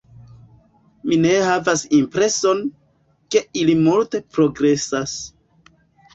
Mi ne havas impreson, ke ili multe progresas.